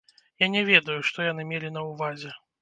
Я не ведаю, што яны мелі на ўвазе.